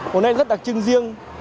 hôm nay rất đặc trưng riêng